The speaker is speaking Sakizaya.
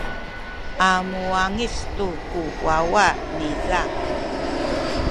a muwangic tu ku wawa niza.